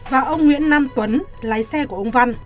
và ông nguyễn nam tuấn lái xe của ông văn